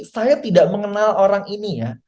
saya tidak mengenal orang ini ya